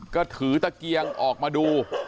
ก็ถือตะเกียงออกมาดู